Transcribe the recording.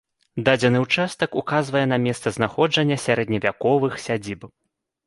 Дадзены ўчастак указвае на месца знаходжання сярэдневяковых сядзіб.